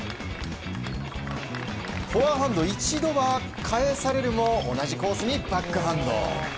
フォアハンド、一度は返されるも同じコースにバックハンド。